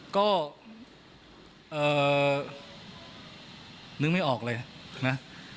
ก็นึกไม่ออกเลยนะ